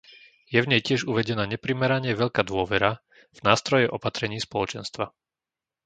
Je v nej tiež uvedená neprimerane veľká dôvera v nástroje opatrení Spoločenstva.